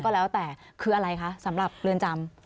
ก็แล้วแต่คืออะไรคะสำหรับเรือนจำ